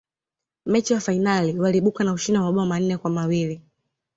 mechi ya fainali waliibuka na ushindi wa mabao manne kwa mawili